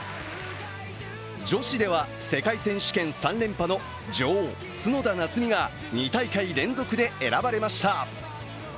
女子では世界選手権３連覇の女王・角田夏実が２大会連続で選ばれました。